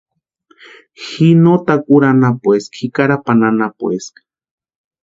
Ji no Takuru anapueska ji Carapani anapueska.